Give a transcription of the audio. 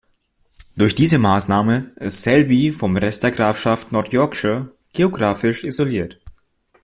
Durch diese Maßnahme ist Selby vom Rest der Grafschaft North Yorkshire geographisch isoliert.